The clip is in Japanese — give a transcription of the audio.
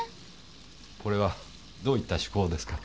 これはどういった趣向ですか？